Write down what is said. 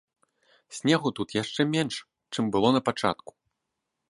Снегу тут яшчэ менш, чым было напачатку.